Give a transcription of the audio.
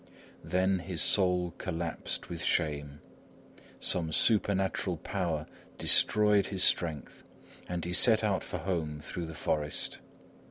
Then his soul collapsed with shame. Some supernatural power destroyed his strength, and he set out for home through the forest.